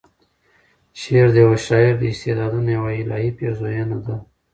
شعر د یوه شاعر د استعدادونو یوه الهې پیرزویَنه ده.